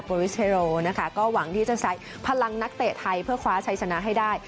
ริสเทโรนะคะก็หวังที่จะใส่พลังนักเตะไทยเพื่อคว้าชัยชนะให้ได้